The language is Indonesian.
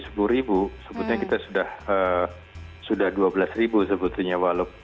sebetulnya kita sudah dua belas ribu sebetulnya